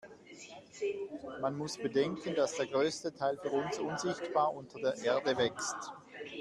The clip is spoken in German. Man muss bedenken, dass der größte Teil für uns unsichtbar unter der Erde wächst.